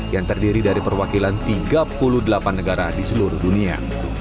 yang terdiri dari perwakilan tiga puluh delapan negara di seluruh dunia